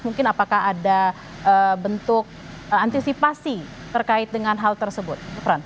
mungkin apakah ada bentuk antisipasi terkait dengan hal tersebut